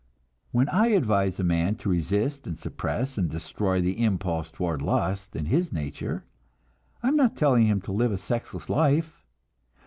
When I advise a man to resist and suppress and destroy the impulse toward lust in his nature, I am not telling him to live a sexless life.